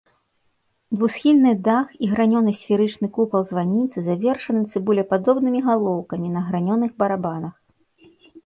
Двухсхільны дах і гранёны сферычны купал званіцы завершаны цыбулепадобнымі галоўкамі на гранёных барабанах.